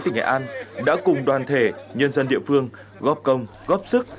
tỉnh nghệ an đã cùng đoàn thể nhân dân địa phương góp công góp sức